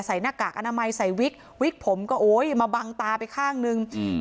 หน้ากากอนามัยใส่วิกวิกผมก็โอ้ยมาบังตาไปข้างหนึ่งอืม